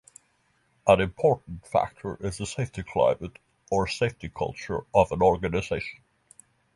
An important factor is the safety climate or safety culture of an organization.